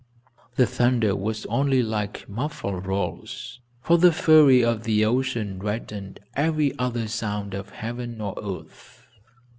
The thunder was only like muffled rolls, for the fury of the ocean deadened every other sound of heaven or earth.